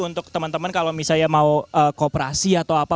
untuk teman teman kalau misalnya mau kooperasi atau apa